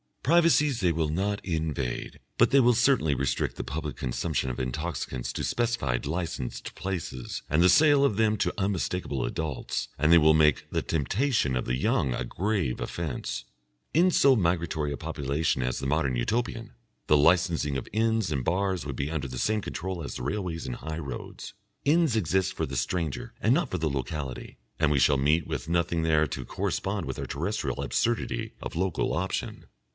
Privacies they will not invade, but they will certainly restrict the public consumption of intoxicants to specified licensed places and the sale of them to unmistakable adults, and they will make the temptation of the young a grave offence. In so migratory a population as the Modern Utopian, the licensing of inns and bars would be under the same control as the railways and high roads. Inns exist for the stranger and not for the locality, and we shall meet with nothing there to correspond with our terrestrial absurdity of Local Option.